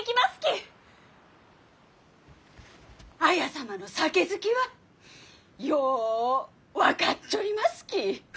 綾様の酒好きはよう分かっちょりますき！